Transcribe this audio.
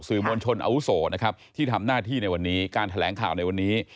มวลชนอาวุโสนะครับที่ทำหน้าที่ในวันนี้การแถลงข่าวในวันนี้